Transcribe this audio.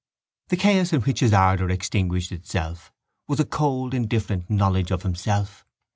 The chaos in which his ardour extinguished itself was a cold indifferent knowledge of himself.